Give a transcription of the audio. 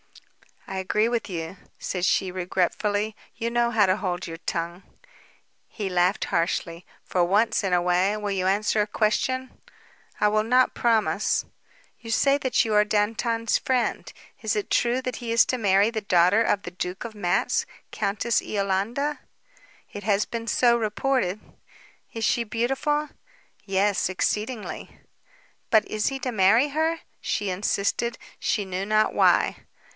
"I agree with you," said she regretfully. "You know how to hold your tongue." He laughed harshly. "For once in a way, will you answer a question?" "I will not promise." "You say that you are Dantan's friend. Is it true that he is to marry the daughter of the Duke of Matz, Countess Iolanda?" "It has been so reported." "Is she beautiful?" "Yes; exceedingly." "But is he to marry her?" she insisted, she knew not why.